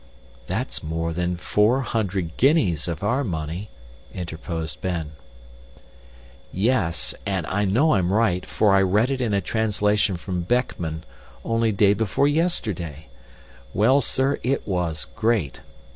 "That's more than four hundred guineas of our money," interposed Ben. "Yes, and I know I'm right, for I read it in a translation from Beckman, only day before yesterday. Well, sir, it was great.